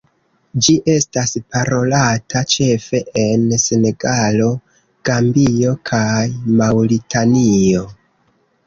Ĝi estas parolata ĉefe en Senegalo, Gambio kaj Maŭritanio.